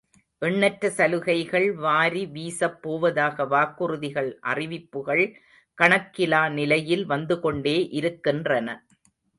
எண்ணற்ற சலுகைகள் வாரி வீசப் போவதாக வாக்குறுதிகள் அறிவிப்புகள் கணக்கிலா நிலையில் வந்துகொண்டே இருக்கின்றன.